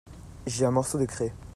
J'ai un morceau de craie.